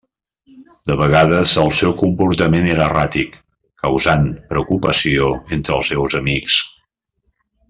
De vegades, el seu comportament era erràtic, causant preocupació entre els seus amics.